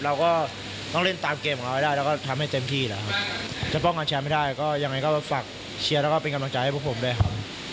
เราก็ต้องเล่นตามเกมของเขาให้ได้แล้วก็ทำให้เต็มที่แหละครับจะป้องกันแชมป์ให้ได้ก็ยังไงก็ฝากเชียร์แล้วก็เป็นกำลังใจให้พวกผมด้วยครับ